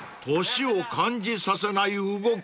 ［年を感じさせない動き］